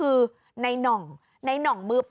สวัสดีครับ